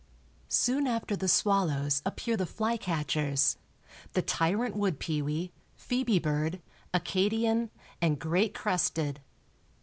Soon after the swallows appear the flycatchers, the tyrant wood pewee, phœbe bird, Acadian and great crested.